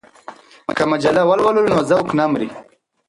که مجله ولولو نو ذوق نه مري.